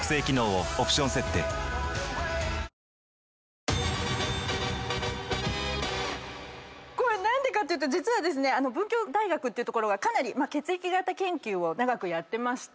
ニトリ何でかっていうと実は文教大学って所がかなり血液型研究を長くやってまして。